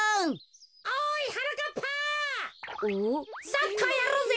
サッカーやろうぜ。